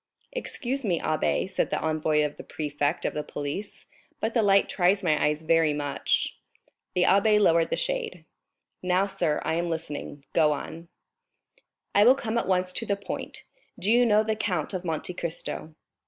"Excuse me, abbé," said the envoy of the prefect of the police, "but the light tries my eyes very much." The abbé lowered the shade. "Now, sir, I am listening—go on." "I will come at once to the point. Do you know the Count of Monte Cristo?"